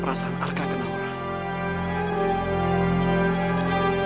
pertama saat tuha saya akan keluar hello whatsapp